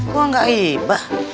gue gak ibah